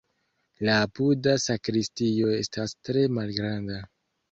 La apuda sakristio estas tre malgranda.